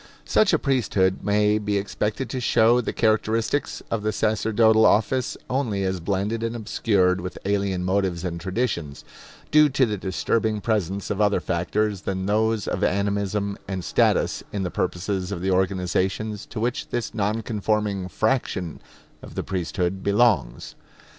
Such a priesthood may be expected to show the characteristics of the sacerdotal office only as blended and obscured with alien motives and traditions, due to the disturbing presence of other factors than those of animism and status in the purposes of the organizations to which this non conforming fraction of the priesthood belongs.